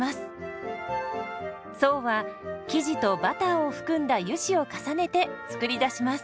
層は生地とバターを含んだ油脂を重ねて作り出します。